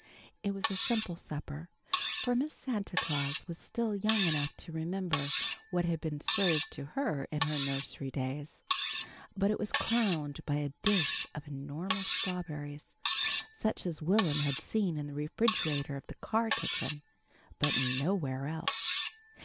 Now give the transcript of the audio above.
It was a simple supper, for Miss Santa Claus was still young enough to remember what had been served to her in her nursery days, but it was crowned by a dish of enormous strawberries, such as Will'm had seen in the refrigerator of the car kitchen, but nowhere else.